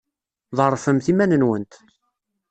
Ḍerrfemt iman-nwent.